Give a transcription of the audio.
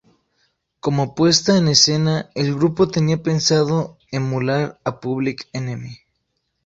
Como puesta en escena, el grupo tenía pensado emular a Public Enemy.